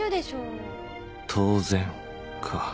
「当然」か